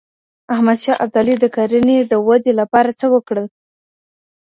احمد شاه ابدالي د کرنې د ودې لپاره څه وکړل؟